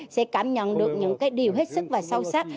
sẽ cảm nhận được những cái điều hết sức và sâu sắc